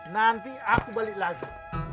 nanti aku balik lagi